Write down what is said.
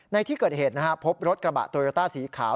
ในที่เกิดเหตุพบรถกระบะโตโยต้าสีขาว